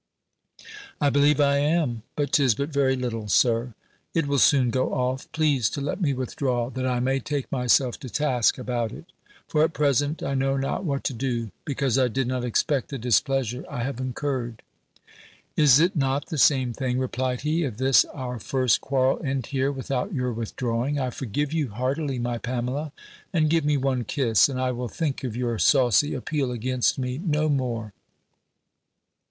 "I believe I am; but 'tis but very little, Sir. It will soon go off. Please to let me withdraw, that I may take myself to task about it; for at present, I know not what to do, because I did not expect the displeasure I have incurred." "Is it not the same thing," replied he, "if this our first quarrel end here, without your withdrawing? I forgive you heartily, my Pamela; and give me one kiss, and I will think of your saucy appeal against me no more."